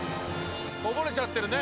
「こぼれちゃってるね！」